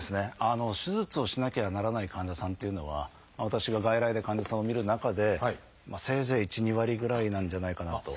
手術をしなきゃならない患者さんっていうのは私が外来で患者さんを診る中でせいぜい１２割ぐらいなんじゃないかなと。